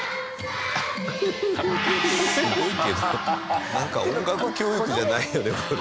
すごいけどなんか音楽教育じゃないよねこれ。